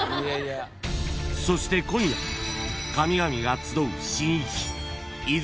［そして今夜神々が集う神域］